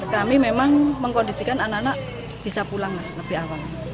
kami memang mengkondisikan anak anak bisa pulang lebih awal